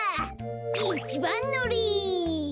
いちばんのり。